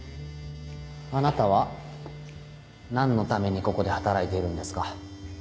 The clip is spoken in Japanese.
あなたは何のためにここで働いているんですか？